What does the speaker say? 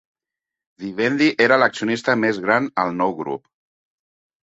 Vivendi era el accionista més gran al nou grup.